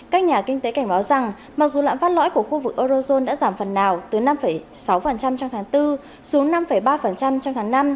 các nhà kinh tế cảnh báo rằng mặc dù lãm phát lõi của khu vực eurozone đã giảm phần nào từ năm sáu trong tháng bốn xuống năm ba trong tháng năm